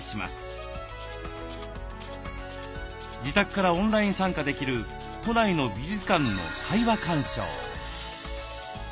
自宅からオンライン参加できる都内の美術館の「対話鑑賞」。